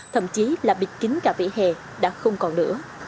thậm chí là bịt kính cả vỉa hè đã không còn nữa